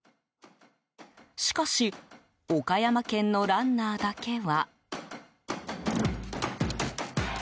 しかし岡山県のランナーだけは。